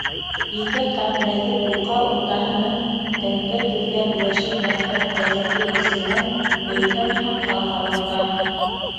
Ике ҡат нәҙек уҡа уртаһынан тәңкә теҙгән йәшел бәрхәт кәзәкей эсенән өлкән һаҡал һалынған.